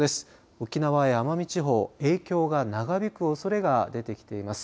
沖縄や奄美地方、影響が長引くおそれが出てきています。